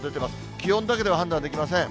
気温だけでは判断できません。